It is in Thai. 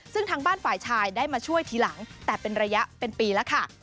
ซึ่งทางบ้านฝ่ายชายได้มาช่วยทีหลังแต่เป็นระยะเป็นปีแล้วค่ะ